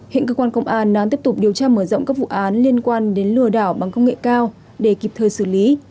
hiện cơ quan công an đang tiếp tục điều tra mở rộng các vụ án liên quan đến lừa đảo bằng công nghệ cao để kịp thời xử lý